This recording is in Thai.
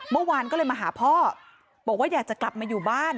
เมื่อวานก็เลยมาหาพ่อบอกว่าอยากจะกลับมาอยู่บ้าน